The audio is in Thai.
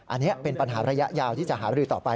อันนี้เป็นปัญหาระยะยาวที่จะหาบรือต่อไป